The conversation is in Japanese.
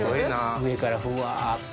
上からふわっと。